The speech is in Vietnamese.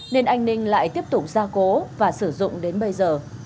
nên anh ninh lại tiếp tục gia cố và sử dụng đến bây giờ